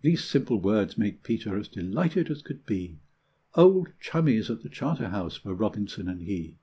These simple words made Peter as delighted as could be; Old chummies at the Charterhouse were Robinson and he.